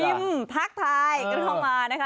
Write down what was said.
ทักทายกันเข้ามานะคะ